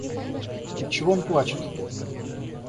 — Отчего он плачет?